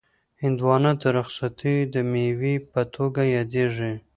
هندوانه د رخصتیو د مېوې په توګه یادیږي.